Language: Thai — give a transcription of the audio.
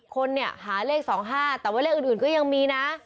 คนเนี่ยหาเลข๒๕แต่ว่าเลขอื่นก็ยังมีนะ